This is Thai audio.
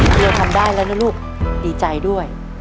เรียทำได้แล้วนะลูกดีใจด้วย